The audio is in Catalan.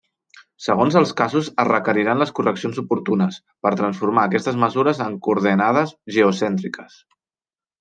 Segons els casos es requeriran les correccions oportunes, per transformar aquestes mesures en coordenades geocèntriques.